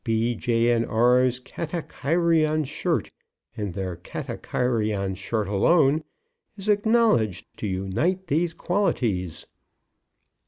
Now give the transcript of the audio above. B., J., and R.'s KATAKAIRION SHIRT, and their Katakairion Shirt alone, is acknowledged to unite these qualities.